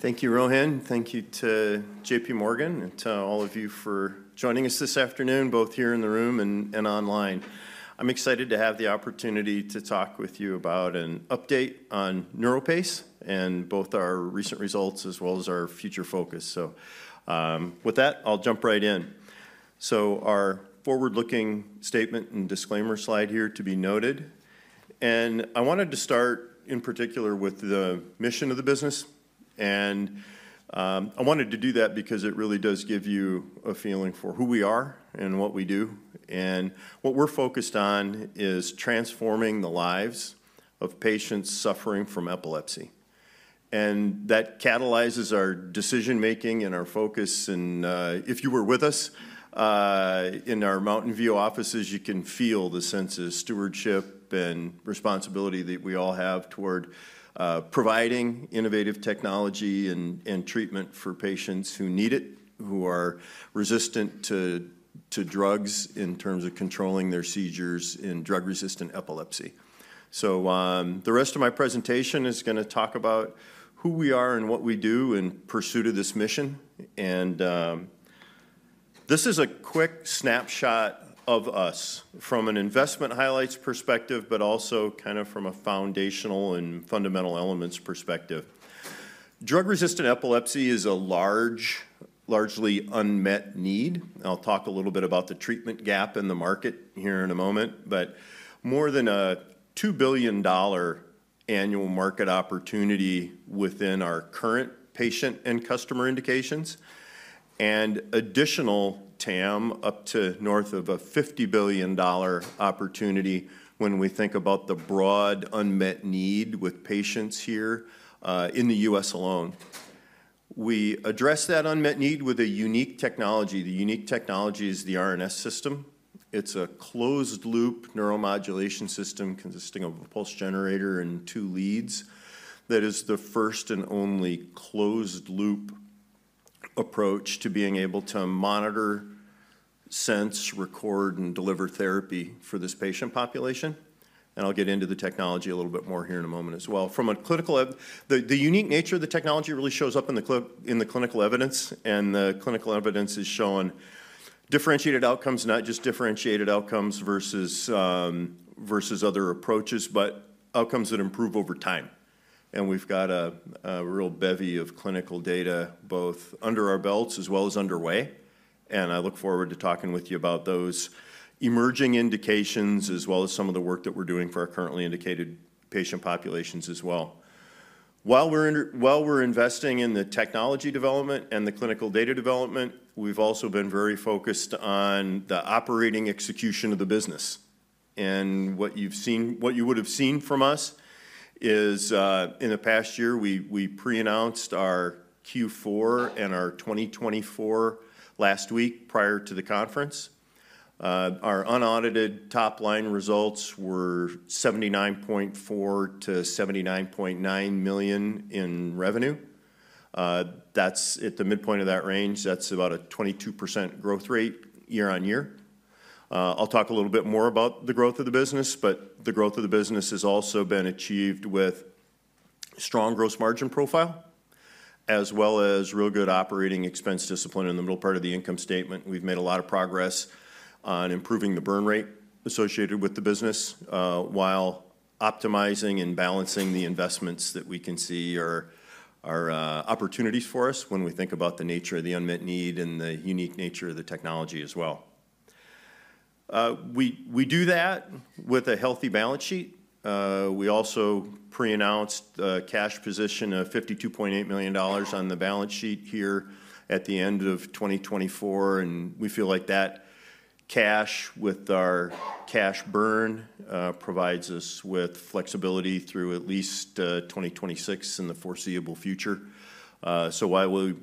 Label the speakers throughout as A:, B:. A: Thank you, Rohin. Thank you to J.P. Morgan and to all of you for joining us this afternoon, both here in the room and online. I'm excited to have the opportunity to talk with you about an update on NeuroPace and both our recent results as well as our future focus, so with that, I'll jump right in, so our forward-looking statement and disclaimer slide here to be noted, and I wanted to start in particular with the mission of the business, and I wanted to do that because it really does give you a feeling for who we are and what we do, and what we're focused on is transforming the lives of patients suffering from epilepsy, and that catalyzes our decision-making and our focus. And if you were with us in our Mountain View offices, you can feel the sense of stewardship and responsibility that we all have toward providing innovative technology and treatment for patients who need it, who are resistant to drugs in terms of controlling their seizures in drug-resistant epilepsy. So, the rest of my presentation is going to talk about who we are and what we do in pursuit of this mission. And this is a quick snapshot of us from an investment highlights perspective, but also kind of from a foundational and fundamental elements perspective. Drug-resistant epilepsy is a large, largely unmet need. I'll talk a little bit about the treatment gap in the market here in a moment, but more than a $2 billion annual market opportunity within our current patient and customer indications, and additional TAM up to north of a $50 billion opportunity when we think about the broad unmet need with patients here in the U.S. alone. We address that unmet need with a unique technology. The unique technology is the RNS System. It's a closed-loop neuromodulation system consisting of a pulse generator and two leads. That is the first and only closed-loop approach to being able to monitor, sense, record, and deliver therapy for this patient population. And I'll get into the technology a little bit more here in a moment as well. From a clinical, the unique nature of the technology really shows up in the clinical evidence. The clinical evidence has shown differentiated outcomes, not just differentiated outcomes versus other approaches, but outcomes that improve over time. We've got a real bevy of clinical data both under our belts as well as underway. I look forward to talking with you about those emerging indications as well as some of the work that we're doing for our currently indicated patient populations as well. While we're investing in the technology development and the clinical data development, we've also been very focused on the operating execution of the business. What you've seen, what you would have seen from us is in the past year, we pre-announced our Q4 and our 2024 last week prior to the conference. Our unaudited top-line results were $79.4 million-$79.9 million in revenue. That's at the midpoint of that range. That's about a 22% growth rate year on year. I'll talk a little bit more about the growth of the business, but the growth of the business has also been achieved with a strong gross margin profile as well as real good operating expense discipline in the middle part of the income statement. We've made a lot of progress on improving the burn rate associated with the business while optimizing and balancing the investments that we can see are opportunities for us when we think about the nature of the unmet need and the unique nature of the technology as well. We do that with a healthy balance sheet. We also pre-announced a cash position of $52.8 million on the balance sheet here at the end of 2024, and we feel like that cash with our cash burn provides us with flexibility through at least 2026 in the foreseeable future. While we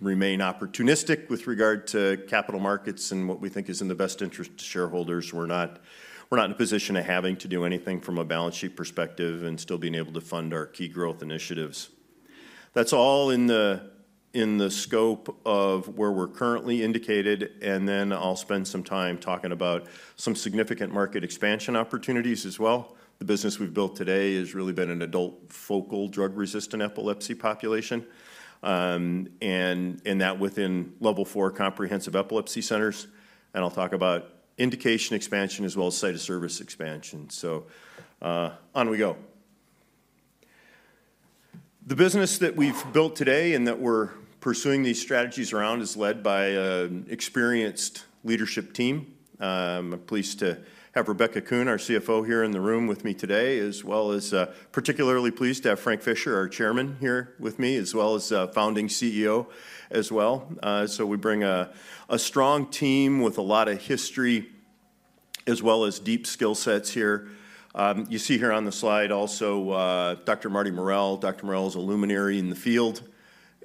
A: remain opportunistic with regard to capital markets and what we think is in the best interest to shareholders, we're not in a position of having to do anything from a balance sheet perspective and still being able to fund our key growth initiatives. That's all in the scope of where we're currently indicated. I'll spend some time talking about some significant market expansion opportunities as well. The business we've built today has really been an adult focal drug-resistant epilepsy population, and that within Level 4 comprehensive epilepsy centers. I'll talk about indication expansion as well as site of service expansion. On we go. The business that we've built today and that we're pursuing these strategies around is led by an experienced leadership team. I'm pleased to have Rebecca Kuhn, our CFO, here in the room with me today, as well as particularly pleased to have Frank Fischer, our Chairman, here with me, as well as founding CEO as well. We bring a strong team with a lot of history as well as deep skill sets here. You see here on the slide also Dr. Martha Morrell. Dr. Morrell is a luminary in the field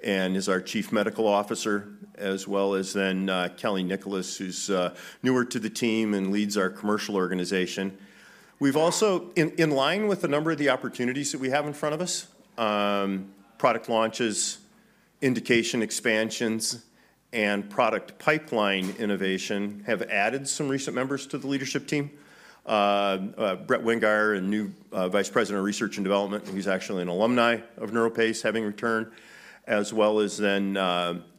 A: and is our Chief Medical Officer, as well as then Kelley Nicholas, who's newer to the team and leads our commercial organization. We've also, in line with a number of the opportunities that we have in front of us, product launches, indication expansions, and product pipeline innovation have added some recent members to the leadership team: Brett Wingeier, a new Vice President of research and development, who's actually an alumni of NeuroPace, having returned, as well as then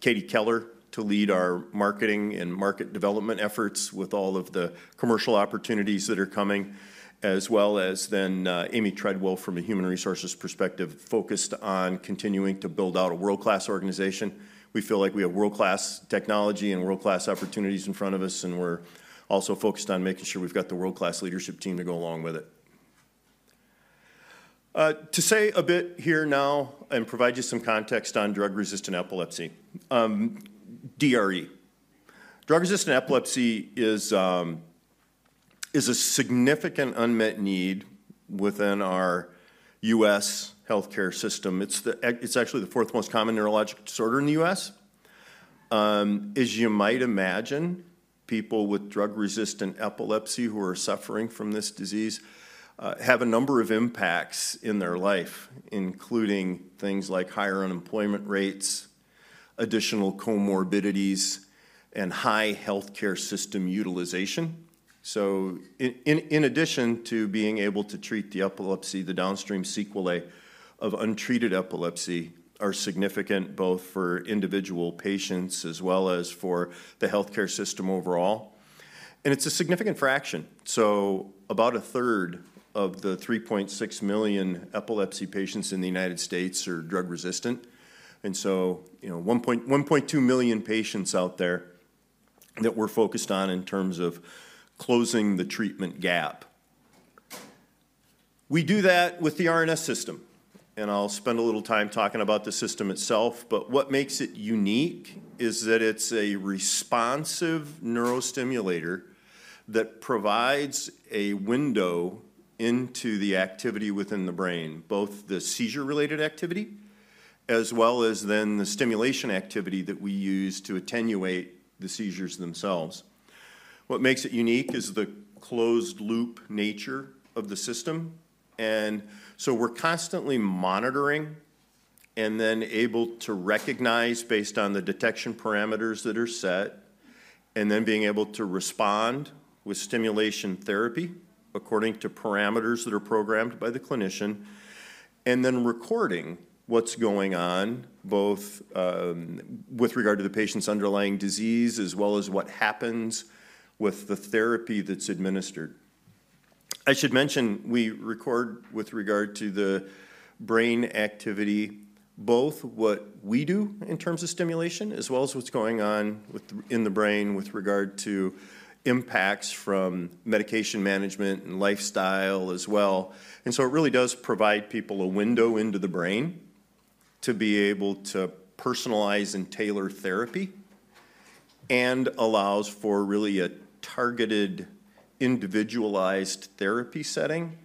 A: Katie Keller to lead our marketing and market development efforts with all of the commercial opportunities that are coming, as well as then Amy Treadwell from a human resources perspective focused on continuing to build out a world-class organization. We feel like we have world-class technology and world-class opportunities in front of us, and we're also focused on making sure we've got the world-class leadership team to go along with it. To say a bit here now and provide you some context on drug-resistant epilepsy, DRE. Drug-resistant epilepsy is a significant unmet need within our U.S. healthcare system. It's actually the fourth most common neurologic disorder in the U.S. As you might imagine, people with drug-resistant epilepsy who are suffering from this disease have a number of impacts in their life, including things like higher unemployment rates, additional comorbidities, and high healthcare system utilization, so in addition to being able to treat the epilepsy, the downstream sequelae of untreated epilepsy are significant both for individual patients as well as for the healthcare system overall, and it's a significant fraction, so about a third of the 3.6 million epilepsy patients in the United States are drug-resistant, and so you know, 1.2 million patients out there that we're focused on in terms of closing the treatment gap. We do that with the RNS System, and I'll spend a little time talking about the system itself. But what makes it unique is that it's a responsive neurostimulator that provides a window into the activity within the brain, both the seizure-related activity as well as then the stimulation activity that we use to attenuate the seizures themselves. What makes it unique is the closed-loop nature of the system. And so, we're constantly monitoring and then able to recognize based on the detection parameters that are set, and then being able to respond with stimulation therapy according to parameters that are programmed by the clinician, and then recording what's going on both with regard to the patient's underlying disease as well as what happens with the therapy that's administered. I should mention we record with regard to the brain activity both what we do in terms of stimulation as well as what's going on in the brain with regard to impacts from medication management and lifestyle as well. And so, it really does provide people a window into the brain to be able to personalize and tailor therapy and allows for really a targeted, individualized therapy setting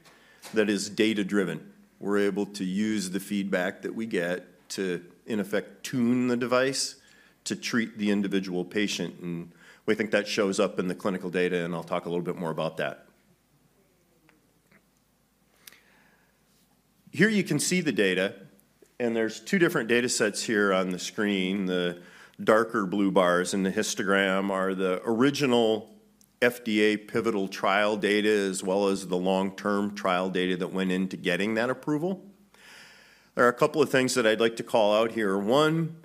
A: that is data-driven. We're able to use the feedback that we get to, in effect, tune the device to treat the individual patient. And we think that shows up in the clinical data, and I'll talk a little bit more about that. Here you can see the data, and there's two different data sets here on the screen. The darker blue bars in the histogram are the original FDA pivotal trial data as well as the long-term trial data that went into getting that approval. There are a couple of things that I'd like to call out here. One,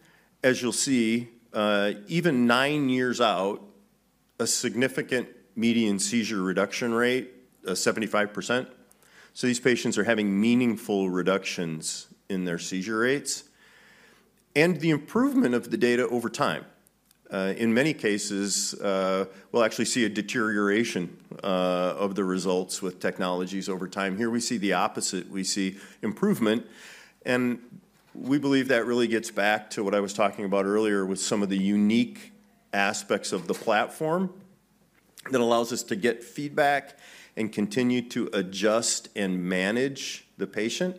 A: as you'll see, even nine years out, a significant median seizure reduction rate, 75%. These patients are having meaningful reductions in their seizure rates. The improvement of the data over time. In many cases, we'll actually see a deterioration of the results with technologies over time. Here we see the opposite. We see improvement. We believe that really gets back to what I was talking about earlier with some of the unique aspects of the platform that allows us to get feedback and continue to adjust and manage the patient.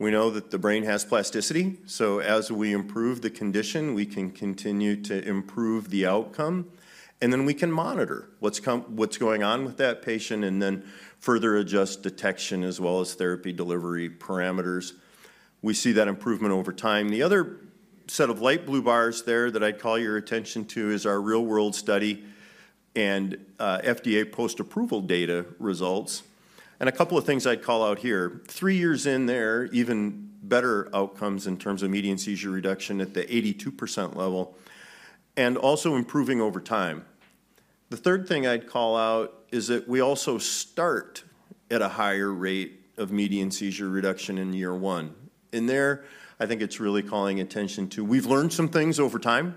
A: We know that the brain has plasticity. So, as we improve the condition, we can continue to improve the outcome. We can monitor what's going on with that patient and then further adjust detection as well as therapy delivery parameters. We see that improvement over time. The other set of light blue bars there that I'd call your attention to is our real-world study and FDA post-approval data results. A couple of things I'd call out here. Three years in there, even better outcomes in terms of median seizure reduction at the 82% level and also improving over time. The third thing I'd call out is that we also start at a higher rate of median seizure reduction in year one. In there, I think it's really calling attention to we've learned some things over time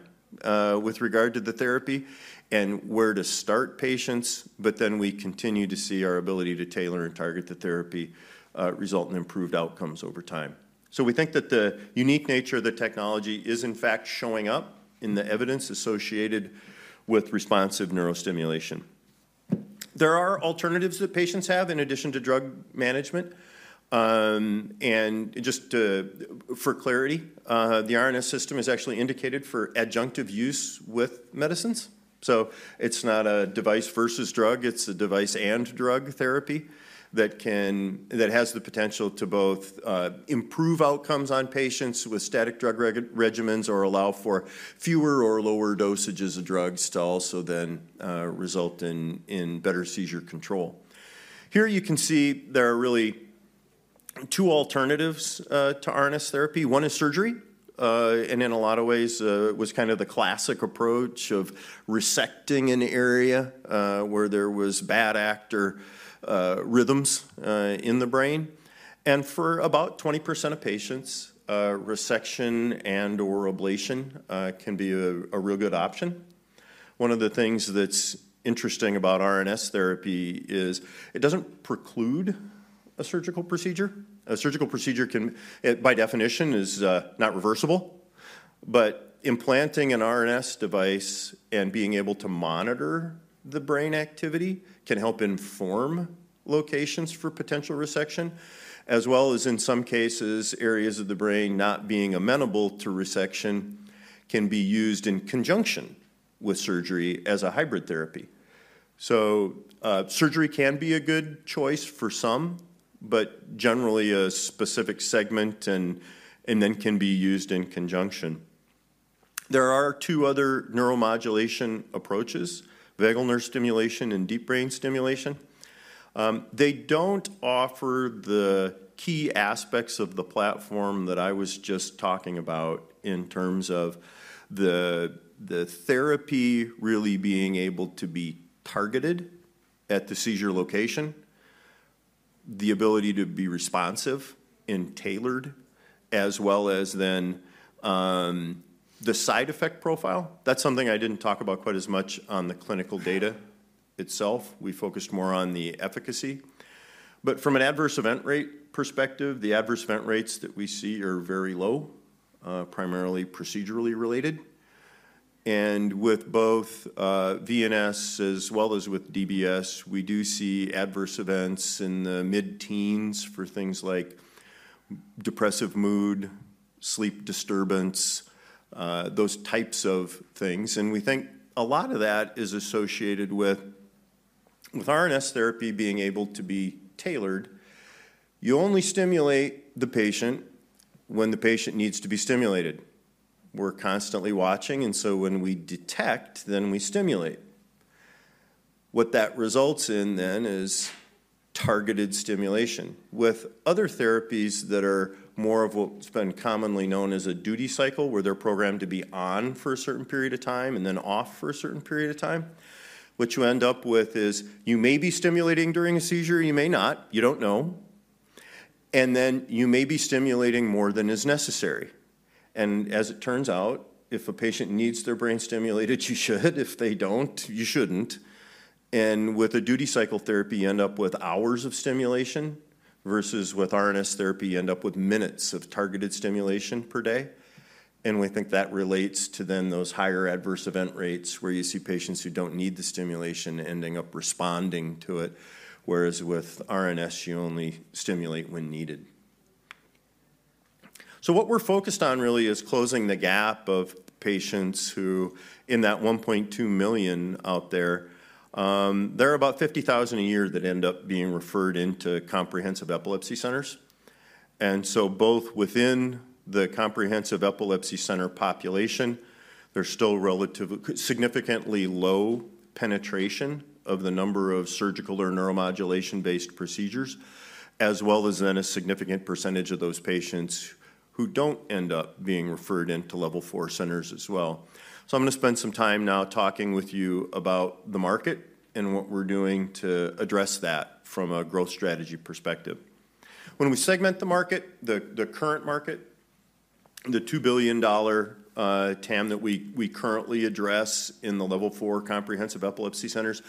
A: with regard to the therapy and where to start patients, but then we continue to see our ability to tailor and target the therapy result in improved outcomes over time. We think that the unique nature of the technology is, in fact, showing up in the evidence associated with responsive neurostimulation. There are alternatives that patients have in addition to drug management. Just for clarity, the RNS System is actually indicated for adjunctive use with medicines. It's not a device versus drug. It's a device and drug therapy that has the potential to both improve outcomes on patients with static drug regimens or allow for fewer or lower dosages of drugs to also then result in better seizure control. Here you can see there are really two alternatives to RNS therapy. One is surgery. And in a lot of ways, it was kind of the classic approach of resecting an area where there was bad actor rhythms in the brain. And for about 20% of patients, resection and/or ablation can be a real good option. One of the things that's interesting about RNS therapy is it doesn't preclude a surgical procedure. A surgical procedure cannot, by definition, be reversible. But implanting an RNS device and being able to monitor the brain activity can help inform locations for potential resection, as well as in some cases, areas of the brain not being amenable to resection can be used in conjunction with surgery as a hybrid therapy, so surgery can be a good choice for some, but generally a specific segment and then can be used in conjunction. There are two other neuromodulation approaches: vagus nerve stimulation and deep brain stimulation. They don't offer the key aspects of the platform that I was just talking about in terms of the therapy really being able to be targeted at the seizure location, the ability to be responsive and tailored, as well as then the side effect profile. That's something I didn't talk about quite as much on the clinical data itself. We focused more on the efficacy. But from an adverse event rate perspective, the adverse event rates that we see are very low, primarily procedurally related. And with both VNS as well as with DBS, we do see adverse events in the mid-teens for things like depressive mood, sleep disturbance, those types of things. And we think a lot of that is associated with RNS therapy being able to be tailored. You only stimulate the patient when the patient needs to be stimulated. We're constantly watching. And so, when we detect, then we stimulate. What that results in then is targeted stimulation. With other therapies that are more of what's been commonly known as a duty cycle, where they're programmed to be on for a certain period of time and then off for a certain period of time, what you end up with is you may be stimulating during a seizure, you may not, you don't know, and then you may be stimulating more than is necessary, and as it turns out, if a patient needs their brain stimulated, you should. If they don't, you shouldn't, and with a duty cycle therapy, you end up with hours of stimulation versus with RNS therapy, you end up with minutes of targeted stimulation per day, and we think that relates to then those higher adverse event rates where you see patients who don't need the stimulation ending up responding to it, whereas with RNS, you only stimulate when needed. So, what we're focused on really is closing the gap of patients who in that 1.2 million out there, there are about 50,000 a year that end up being referred into comprehensive epilepsy centers. And so, both within the comprehensive epilepsy center population, there's still relatively significantly low penetration of the number of surgical or neuromodulation-based procedures, as well as then a significant percentage of those patients who don't end up being referred into Level 4 centers as well. So, I'm going to spend some time now talking with you about the market and what we're doing to address that from a growth strategy perspective. When we segment the market, the current market, the $2 billion TAM that we currently address in the Level 4 comprehensive epilepsy centers,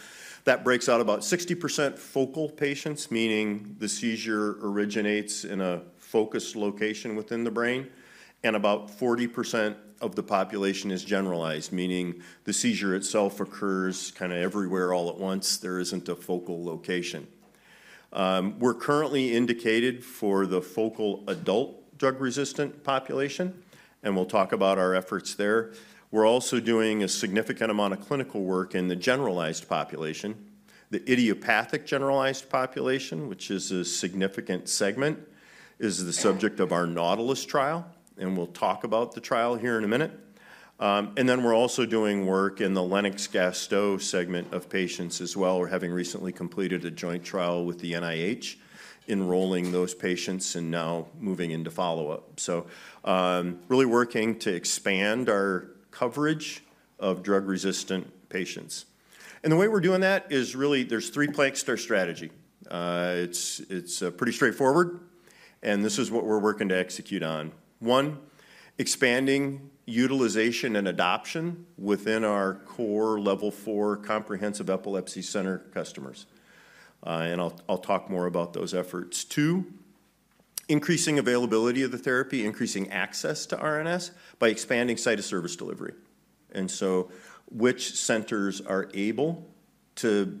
A: that breaks out about 60% focal patients, meaning the seizure originates in a focused location within the brain, and about 40% of the population is generalized, meaning the seizure itself occurs kind of everywhere all at once. There isn't a focal location. We're currently indicated for the focal adult drug-resistant population, and we'll talk about our efforts there. We're also doing a significant amount of clinical work in the generalized population. The idiopathic generalized population, which is a significant segment, is the subject of our Nautilus trial, and we'll talk about the trial here in a minute, and then we're also doing work in the Lennox-Gastaut segment of patients as well. We have recently completed a joint trial with the NIH, enrolling those patients and now moving into follow-up, so really working to expand our coverage of drug-resistant patients, and the way we're doing that is really there's three prongs to our strategy. It's pretty straightforward, and this is what we're working to execute on. One, expanding utilization and adoption within our core Level 4 comprehensive epilepsy center customers, and I'll talk more about those efforts. Two, increasing availability of the therapy, increasing access to RNS by expanding site of service delivery, and so which centers are able to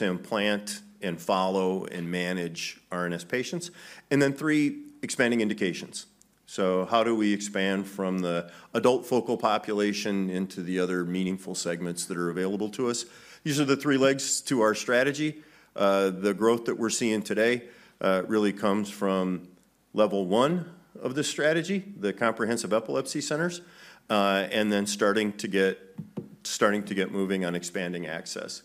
A: implant and follow and manage RNS patients, and then three, expanding indications, so how do we expand from the adult focal population into the other meaningful segments that are available to us? These are the three legs to our strategy. The growth that we're seeing today really comes from Level 1 of the strategy, the comprehensive epilepsy centers, and then starting to get moving on expanding access.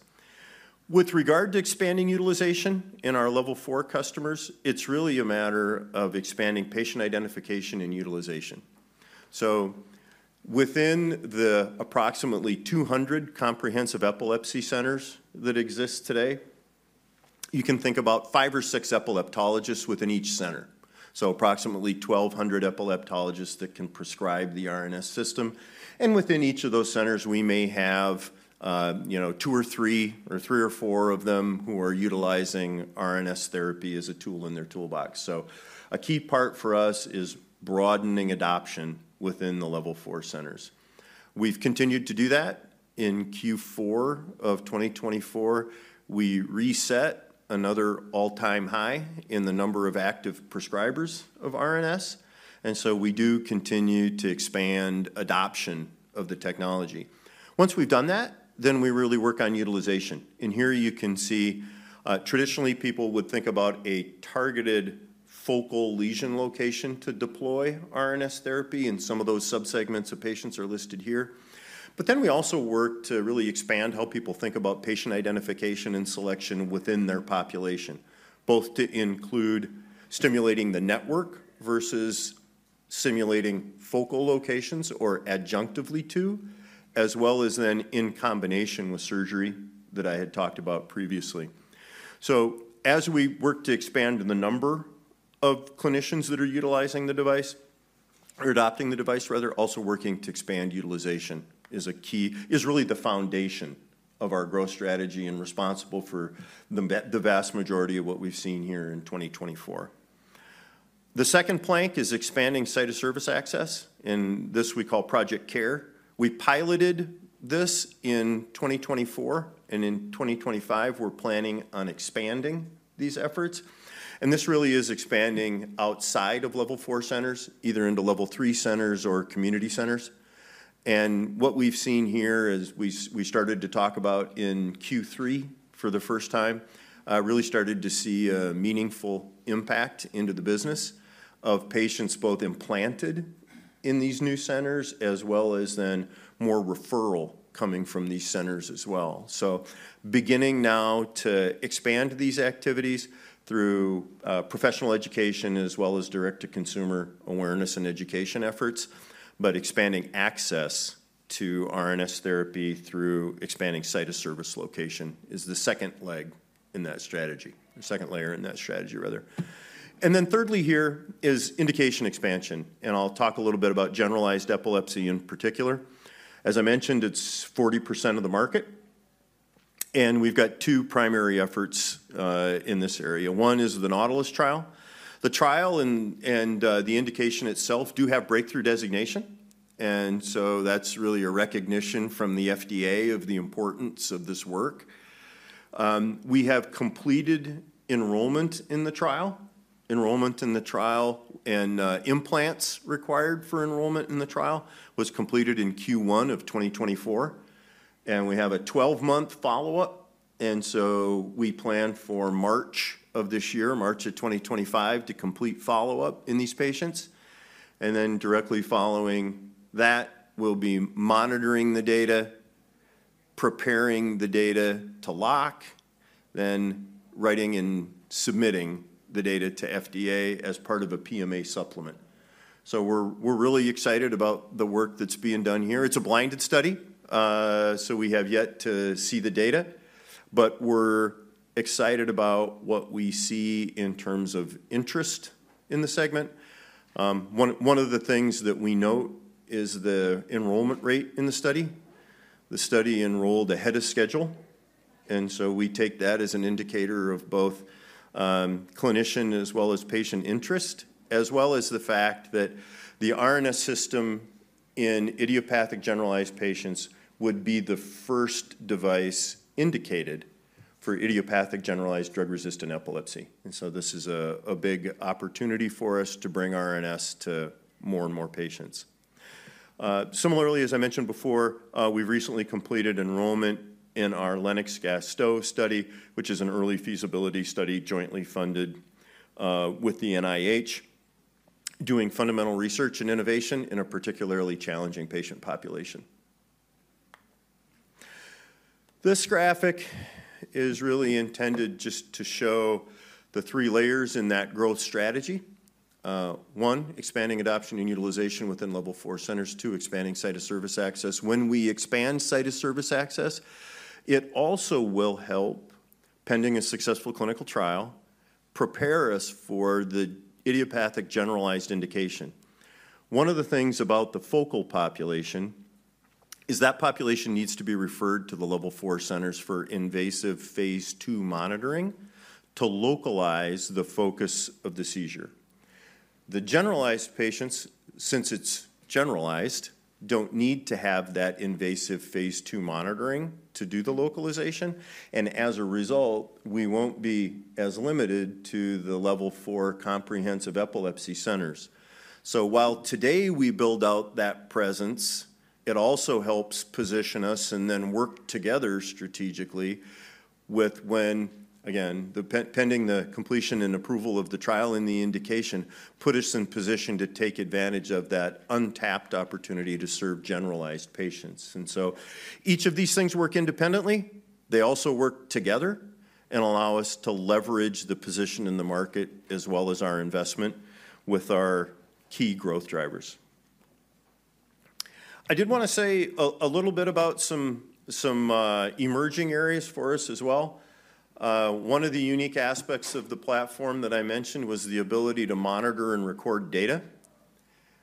A: With regard to expanding utilization in our Level 4 customers, it's really a matter of expanding patient identification and utilization. So, within the approximately 200 comprehensive epilepsy centers that exist today, you can think about five or six epileptologists within each center. So, approximately 1,200 epileptologists that can prescribe the RNS System. And within each of those centers, we may have two or three or three or four of them who are utilizing RNS therapy as a tool in their toolbox. So, a key part for us is broadening adoption within the Level 4 centers. We've continued to do that. In Q4 of 2024, we reset another all-time high in the number of active prescribers of RNS. And so, we do continue to expand adoption of the technology. Once we've done that, then we really work on utilization. And here you can see traditionally people would think about a targeted focal lesion location to deploy RNS therapy, and some of those subsegments of patients are listed here. But then we also work to really expand how people think about patient identification and selection within their population, both to include stimulating the network versus stimulating focal locations or adjunctively to, as well as then in combination with surgery that I had talked about previously. So, as we work to expand the number of clinicians that are utilizing the device or adopting the device, rather, also working to expand utilization is a key, is really the foundation of our growth strategy and responsible for the vast majority of what we've seen here in 2024. The second plank is expanding site of service access, and this we call Project CARE. We piloted this in 2024, and in 2025, we're planning on expanding these efforts, and this really is expanding outside of Level 4 centers, either into Level 3 centers or community centers, and what we've seen here is we started to talk about in Q3 for the first time, really started to see a meaningful impact into the business of patients both implanted in these new centers as well as then more referral coming from these centers as well, so beginning now to expand these activities through professional education as well as direct-to-consumer awareness and education efforts, but expanding access to RNS therapy through expanding site of service location is the second leg in that strategy, or second layer in that strategy, rather, and then thirdly here is indication expansion. And I'll talk a little bit about generalized epilepsy in particular. As I mentioned, it's 40% of the market. And we've got two primary efforts in this area. One is the Nautilus trial. The trial and the indication itself do have breakthrough designation. And so, that's really a recognition from the FDA of the importance of this work. We have completed enrollment in the trial. Enrollment in the trial and implants required for enrollment in the trial was completed in Q1 of 2024. And we have a 12-month follow-up. And so, we plan for March of this year, March of 2025, to complete follow-up in these patients. And then directly following that, we'll be monitoring the data, preparing the data to lock, then writing and submitting the data to FDA as part of a PMA supplement. So, we're really excited about the work that's being done here. It's a blinded study, so we have yet to see the data, but we're excited about what we see in terms of interest in the segment. One of the things that we note is the enrollment rate in the study. The study enrolled ahead of schedule, and so we take that as an indicator of both clinician as well as patient interest, as well as the fact that the RNS System in idiopathic generalized patients would be the first device indicated for idiopathic generalized drug-resistant epilepsy. And so, this is a big opportunity for us to bring RNS to more and more patients. Similarly, as I mentioned before, we've recently completed enrollment in our Lennox-Gastaut study, which is an early feasibility study jointly funded with the NIH, doing fundamental research and innovation in a particularly challenging patient population. This graphic is really intended just to show the three layers in that growth strategy. One, expanding adoption and utilization within Level 4 centers. Two, expanding site of service access. When we expand site of service access, it also will help, pending a successful clinical trial, prepare us for the idiopathic generalized indication. One of the things about the focal population is that population needs to be referred to the Level 4 centers for invasive Phase II monitoring to localize the focus of the seizure. The generalized patients, since it's generalized, don't need to have that invasive Phase II monitoring to do the localization, and as a result, we won't be as limited to the Level 4 comprehensive epilepsy centers. So, while today we build out that presence, it also helps position us and then work together strategically with when, again, pending the completion and approval of the trial and the indication, put us in position to take advantage of that untapped opportunity to serve generalized patients. And so, each of these things work independently. They also work together and allow us to leverage the position in the market as well as our investment with our key growth drivers. I did want to say a little bit about some emerging areas for us as well. One of the unique aspects of the platform that I mentioned was the ability to monitor and record data.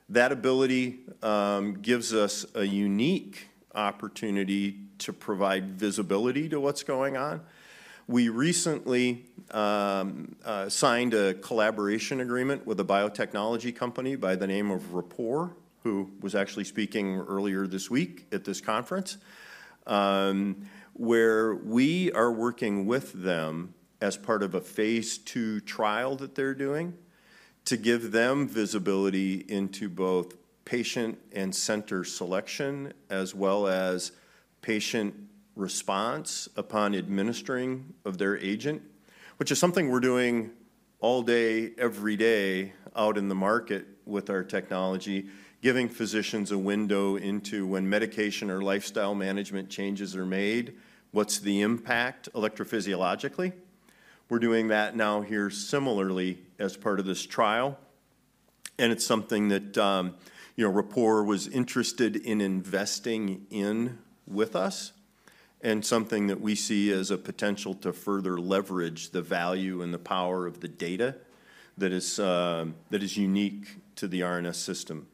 A: That ability gives us a unique opportunity to provide visibility to what's going on. We recently signed a collaboration agreement with a biotechnology company by the name of Rapport, who was actually speaking earlier this week at this conference, where we are working with them as part of a Phase II trial that they're doing to give them visibility into both patient and center selection as well as patient response upon administering of their agent, which is something we're doing all day, every day out in the market with our technology, giving physicians a window into when medication or lifestyle management changes are made, what's the impact electrophysiologically. We're doing that now here similarly as part of this trial. And it's something that Rapport was interested in investing in with us and something that we see as a potential to further leverage the value and the power of the data that is unique to the RNS System.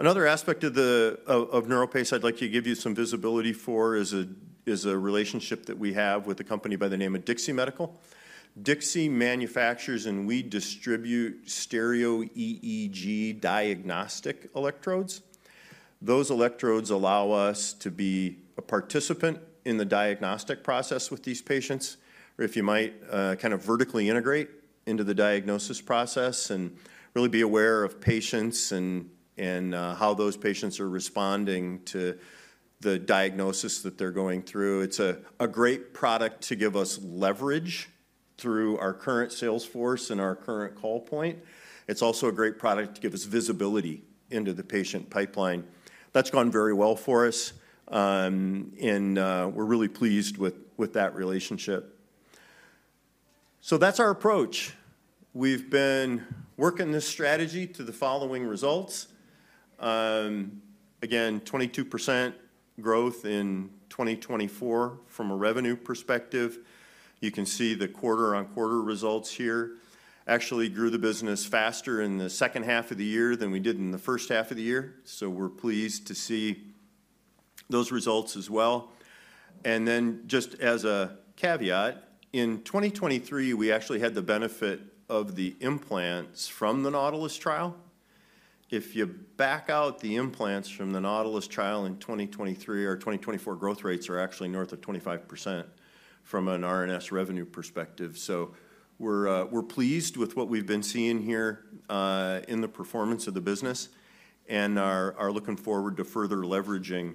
A: Another aspect of NeuroPace I'd like to give you some visibility for is a relationship that we have with a company by the name of DIXI Medical. DIXI manufactures and we distribute stereo-EEG diagnostic electrodes. Those electrodes allow us to be a participant in the diagnostic process with these patients, or if you might, kind of vertically integrate into the diagnosis process and really be aware of patients and how those patients are responding to the diagnosis that they're going through. It's a great product to give us leverage through our current salesforce and our current call point. It's also a great product to give us visibility into the patient pipeline. That's gone very well for us, and we're really pleased with that relationship. So that's our approach. We've been working this strategy to the following results. Again, 22% growth in 2024 from a revenue perspective. You can see the quarter-on-quarter results here actually grew the business faster in the second half of the year than we did in the first half of the year. So we're pleased to see those results as well. And then just as a caveat, in 2023, we actually had the benefit of the implants from the Nautilus trial. If you back out the implants from the Nautilus trial in 2023, our 2024 growth rates are actually north of 25% from an RNS revenue perspective. So we're pleased with what we've been seeing here in the performance of the business and are looking forward to further leveraging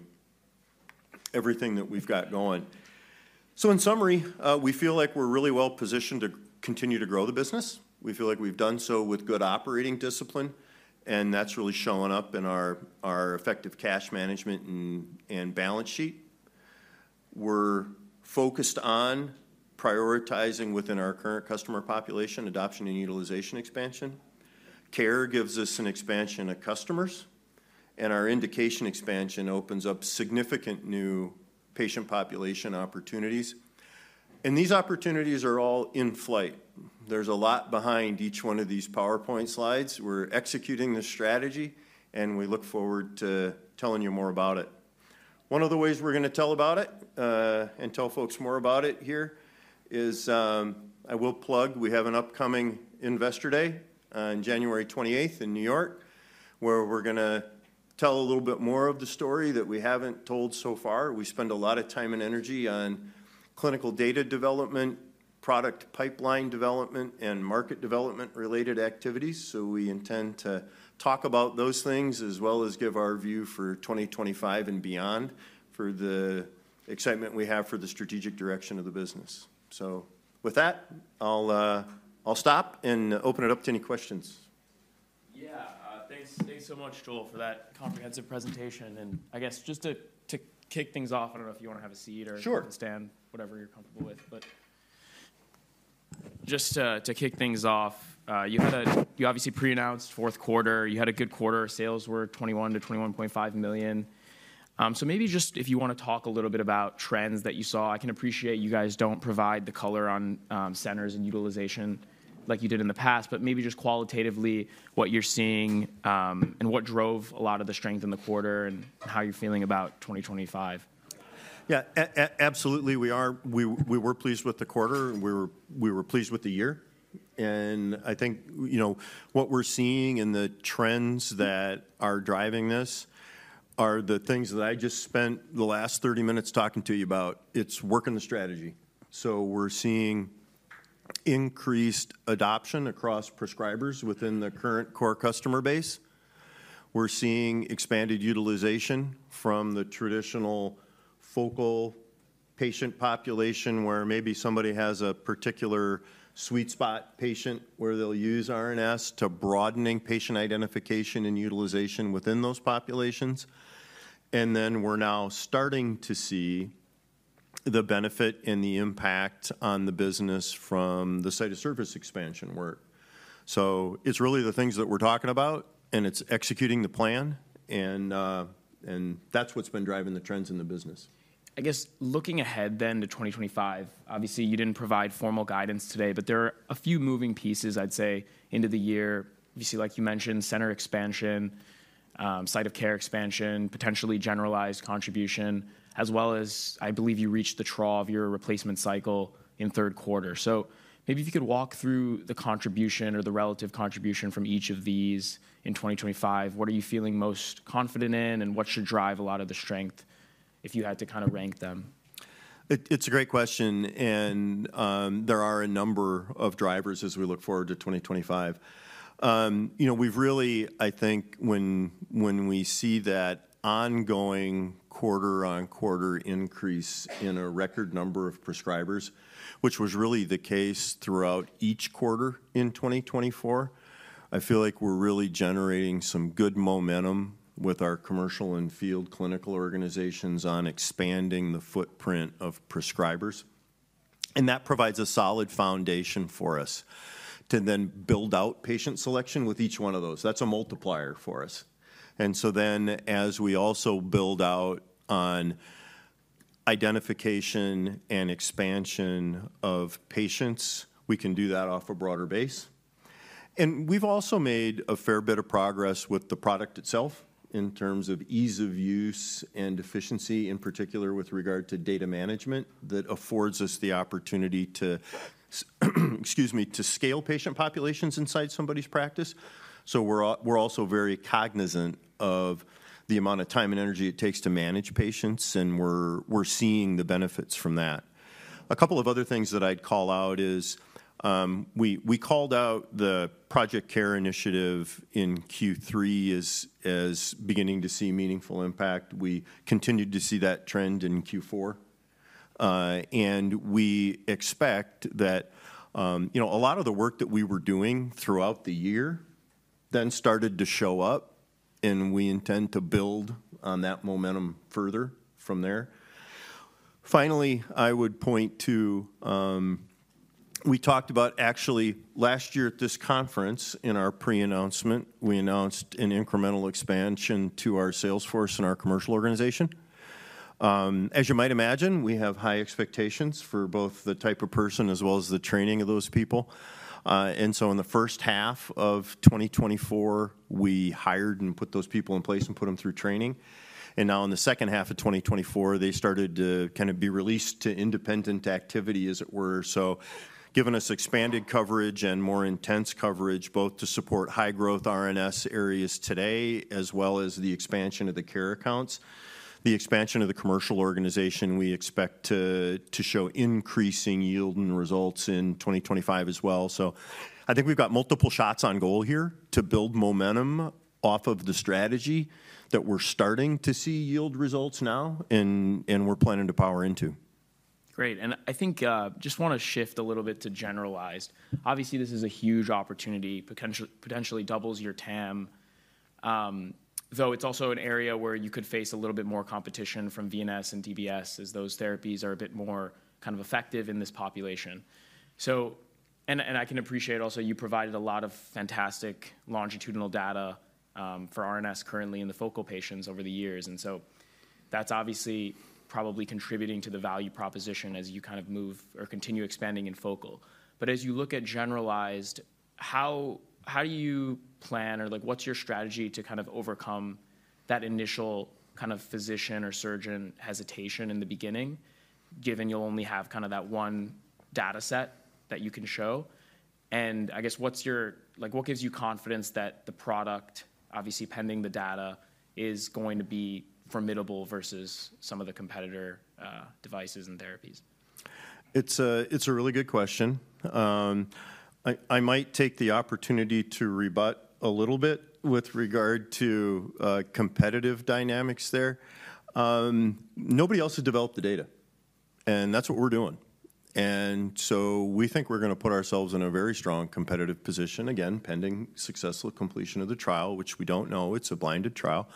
A: everything that we've got going. So in summary, we feel like we're really well positioned to continue to grow the business. We feel like we've done so with good operating discipline, and that's really shown up in our effective cash management and balance sheet. We're focused on prioritizing within our current customer population adoption and utilization expansion. Care gives us an expansion of customers, and our indication expansion opens up significant new patient population opportunities. And these opportunities are all in flight. There's a lot behind each one of these PowerPoint slides. We're executing this strategy, and we look forward to telling you more about it. One of the ways we're going to tell about it and tell folks more about it here is I will plug we have an upcoming Investor Day on January 28th in New York, where we're going to tell a little bit more of the story that we haven't told so far. We spend a lot of time and energy on clinical data development, product pipeline development, and market development-related activities. So we intend to talk about those things as well as give our view for 2025 and beyond for the excitement we have for the strategic direction of the business. So with that, I'll stop and open it up to any questions.
B: Yeah. Thanks so much, Joel, for that comprehensive presentation. And I guess just to kick things off, I don't know if you want to have a seat or stand, whatever you're comfortable with. But just to kick things off, you obviously pre-announced fourth quarter. You had a good quarter. Sales were $21 million-$21.5 million. So maybe just if you want to talk a little bit about trends that you saw. I can appreciate you guys don't provide the color on centers and utilization like you did in the past, but maybe just qualitatively what you're seeing and what drove a lot of the strength in the quarter and how you're feeling about 2025?
A: Yeah, absolutely. We were pleased with the quarter. We were pleased with the year. And I think what we're seeing and the trends that are driving this are the things that I just spent the last 30 minutes talking to you about. It's working the strategy. So we're seeing increased adoption across prescribers within the current core customer base. We're seeing expanded utilization from the traditional focal patient population where maybe somebody has a particular sweet spot patient where they'll use RNS to broadening patient identification and utilization within those populations. And then we're now starting to see the benefit and the impact on the business from the site of service expansion work. So it's really the things that we're talking about, and it's executing the plan, and that's what's been driving the trends in the business.
B: I guess looking ahead then to 2025, obviously you didn't provide formal guidance today, but there are a few moving pieces, I'd say, into the year. Obviously, like you mentioned, center expansion, site of care expansion, potentially generalized contribution, as well as I believe you reached the trough of your replacement cycle in third quarter. So maybe if you could walk through the contribution or the relative contribution from each of these in 2025, what are you feeling most confident in and what should drive a lot of the strength if you had to kind of rank them?
A: It's a great question, and there are a number of drivers as we look forward to 2025. We've really, I think, when we see that ongoing quarter-on-quarter increase in a record number of prescribers, which was really the case throughout each quarter in 2024, I feel like we're really generating some good momentum with our commercial and field clinical organizations on expanding the footprint of prescribers. And that provides a solid foundation for us to then build out patient selection with each one of those. That's a multiplier for us. And so then as we also build out on identification and expansion of patients, we can do that off a broader base. We've also made a fair bit of progress with the product itself in terms of ease of use and efficiency, in particular with regard to data management that affords us the opportunity to scale patient populations inside somebody's practice. We're also very cognizant of the amount of time and energy it takes to manage patients, and we're seeing the benefits from that. A couple of other things that I'd call out is we called out the Project CARE Initiative in Q3 as beginning to see meaningful impact. We continued to see that trend in Q4. We expect that a lot of the work that we were doing throughout the year then started to show up, and we intend to build on that momentum further from there. Finally, I would point to we talked about actually last year at this conference. In our pre-announcement, we announced an incremental expansion to our salesforce and our commercial organization. As you might imagine, we have high expectations for both the type of person as well as the training of those people, and so in the first half of 2024, we hired and put those people in place and put them through training, and now in the second half of 2024, they started to kind of be released to independent activity, as it were, so given us expanded coverage and more intense coverage, both to support high-growth RNS areas today as well as the expansion of the care accounts. The expansion of the commercial organization, we expect to show increasing yield and results in 2025 as well. I think we've got multiple shots on goal here to build momentum off of the strategy that we're starting to see yield results now and we're planning to power into.
B: Great. I think we just want to shift a little bit to generalized. Obviously, this is a huge opportunity, potentially doubles your TAM, though it's also an area where you could face a little bit more competition from VNS and DBS as those therapies are a bit more kind of effective in this population. I can appreciate also you provided a lot of fantastic longitudinal data for RNS currently in the focal patients over the years. That's obviously probably contributing to the value proposition as you kind of move or continue expanding in focal. But as you look at generalized, how do you plan or what's your strategy to kind of overcome that initial kind of physician or surgeon hesitation in the beginning, given you'll only have kind of that one data set that you can show? And I guess what gives you confidence that the product, obviously pending the data, is going to be formidable versus some of the competitor devices and therapies?
A: It's a really good question. I might take the opportunity to rebut a little bit with regard to competitive dynamics there. Nobody else has developed the data, and that's what we're doing. And so we think we're going to put ourselves in a very strong competitive position, again, pending successful completion of the trial, which we don't know. It's a blinded trial.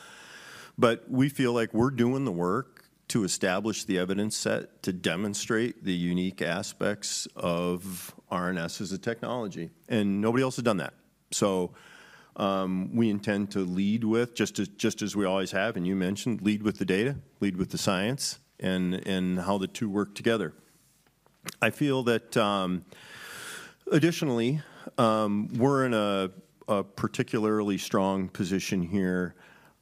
A: But we feel like we're doing the work to establish the evidence set to demonstrate the unique aspects of RNS as a technology. And nobody else has done that. So we intend to lead with, just as we always have, and you mentioned, lead with the data, lead with the science, and how the two work together. I feel that additionally, we're in a particularly strong position here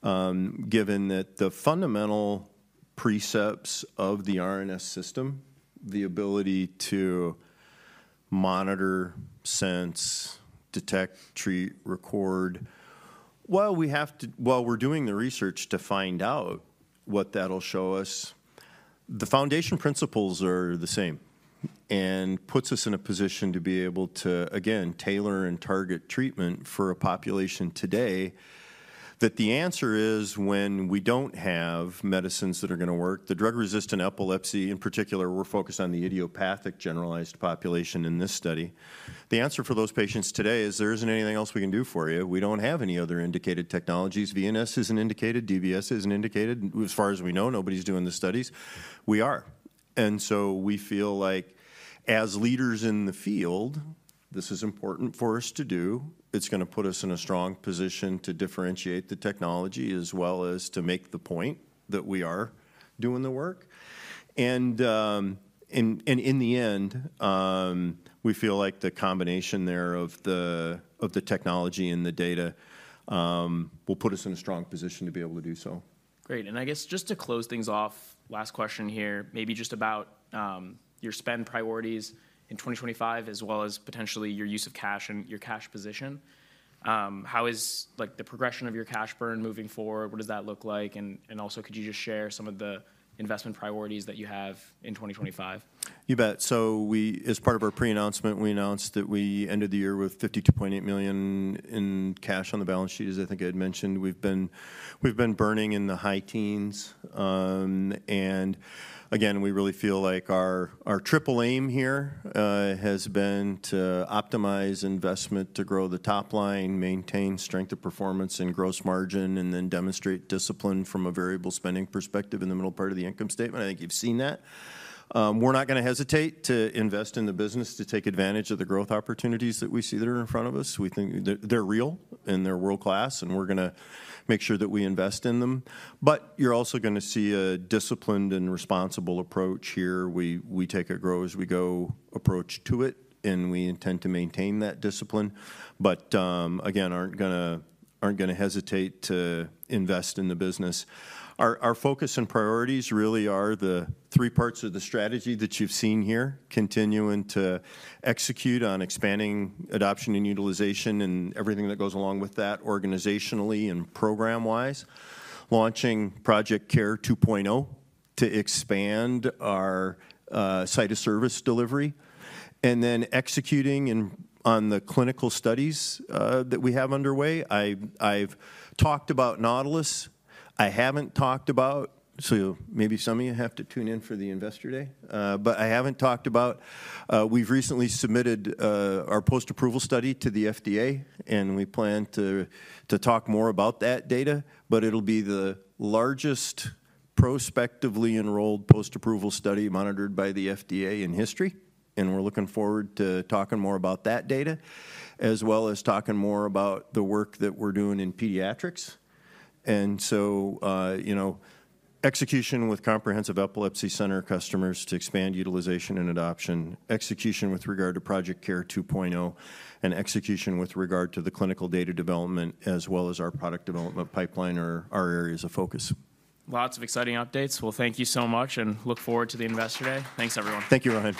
A: given that the fundamental precepts of the RNS system, the ability to monitor, sense, detect, treat, record, while we're doing the research to find out what that'll show us, the foundation principles are the same and puts us in a position to be able to, again, tailor and target treatment for a population today that the answer is when we don't have medicines that are going to work. The drug-resistant epilepsy, in particular, we're focused on the idiopathic generalized population in this study. The answer for those patients today is there isn't anything else we can do for you. We don't have any other indicated technologies. VNS isn't indicated. DBS isn't indicated. As far as we know, nobody's doing the studies. We are. And so we feel like as leaders in the field, this is important for us to do. It's going to put us in a strong position to differentiate the technology as well as to make the point that we are doing the work. And in the end, we feel like the combination there of the technology and the data will put us in a strong position to be able to do so.
B: Great. I guess just to close things off, last question here, maybe just about your spend priorities in 2025 as well as potentially your use of cash and your cash position. How is the progression of your cash burn moving forward? What does that look like? And also, could you just share some of the investment priorities that you have in 2025?
A: You bet. So as part of our pre-announcement, we announced that we ended the year with $52.8 million in cash on the balance sheet, as I think I had mentioned. We've been burning in the high teens. And again, we really feel like our triple aim here has been to optimize investment to grow the top line, maintain strength of performance and gross margin, and then demonstrate discipline from a variable spending perspective in the middle part of the income statement. I think you've seen that. We're not going to hesitate to invest in the business to take advantage of the growth opportunities that we see that are in front of us. We think they're real and they're world-class, and we're going to make sure that we invest in them. But you're also going to see a disciplined and responsible approach here. We take a grow as we go approach to it, and we intend to maintain that discipline, but again, aren't going to hesitate to invest in the business. Our focus and priorities really are the three parts of the strategy that you've seen here, continuing to execute on expanding adoption and utilization and everything that goes along with that organizationally and program-wise, launching Project CARE 2.0 to expand our site of service delivery, and then executing on the clinical studies that we have underway. I've talked about Nautilus. I haven't talked about, so maybe some of you have to tune in for the Investor Day, but I haven't talked about we've recently submitted our post-approval study to the FDA, and we plan to talk more about that data, but it'll be the largest prospectively enrolled post-approval study monitored by the FDA in history, and we're looking forward to talking more about that data, as well as talking more about the work that we're doing in pediatrics, and so execution with comprehensive epilepsy center customers to expand utilization and adoption, execution with regard to Project CARE 2.0, and execution with regard to the clinical data development, as well as our product development pipeline or our areas of focus.
B: Lots of exciting updates. Well, thank you so much and look forward to the Investor Day. Thanks, everyone.
A: Thank you, Rohin.